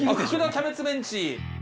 キャベツメンチ。